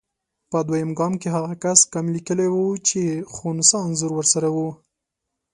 په دویم ګام کې هغه کس کم لیکلي وو چې خنثی انځور ورسره وو.